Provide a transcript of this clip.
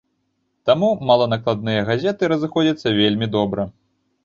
Таму маланакладныя газеты разыходзяцца вельмі добра.